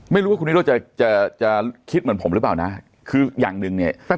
ไม่รู้ว่าคุณนิโรธจะจะคิดเหมือนผมหรือเปล่านะคืออย่างหนึ่งเนี่ย